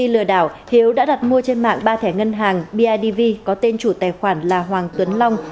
lừa đảo hiếu đã đặt mua trên mạng ba thẻ ngân hàng bidv có tên chủ tài khoản là hoàng tuấn long